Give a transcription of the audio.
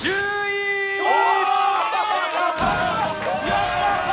やったー！